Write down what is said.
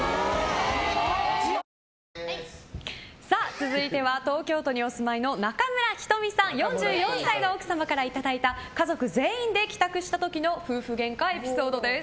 続いては、東京都にお住まいの中村仁美さん４４歳の奥様からいただいた家族全員で帰宅した時の夫婦ゲンカエピソードです。